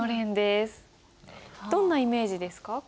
どんなイメージですか？